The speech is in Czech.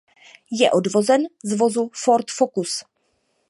Je odvozen z vozu Ford Focus.